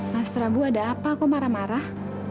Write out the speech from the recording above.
mas trabu ada apa aku marah marah